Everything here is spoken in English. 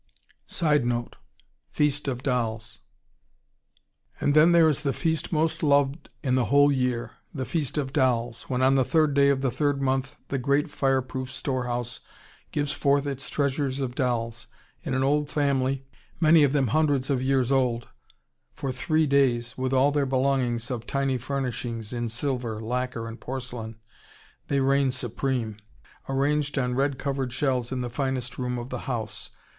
[Sidenote: Feast of Dolls.] And then there is the feast most loved in the whole year, the Feast of Dolls, when on the third day of the third month the great fire proof store house gives forth its treasures of dolls, in an old family, many of them hundreds of years old, and for three days, with all their belongings of tiny furnishings, in silver, lacquer, and porcelain, they reign supreme, arranged on red covered shelves in the finest room of the house.